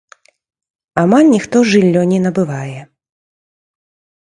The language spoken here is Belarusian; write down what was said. Амаль ніхто жыллё не набывае.